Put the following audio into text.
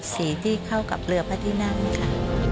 สีที่เข้ากับเรือพระที่นั่งนี่ค่ะ